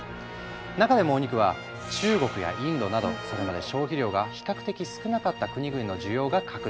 中でもお肉は中国やインドなどそれまで消費量が比較的少なかった国々の需要が拡大。